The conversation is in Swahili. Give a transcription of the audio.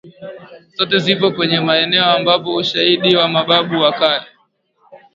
Zote zipo kwenye maeneo ambapo ushaidi wa mababu wa kale